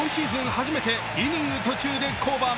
初めてイニング途中で降板。